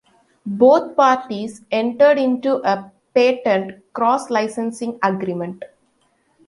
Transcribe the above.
Both parties entered into a patent cross-licensing agreement.